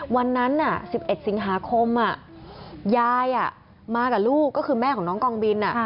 วันนั้น๑๑สิงหาคมยายมากับลูกก็คือแม่ของน้องกองบิน